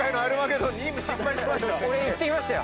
行ってきましたよ。